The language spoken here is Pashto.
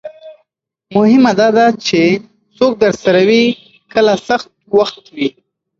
مهمه دا ده چې څوک درسره وي کله سخت وخت وي.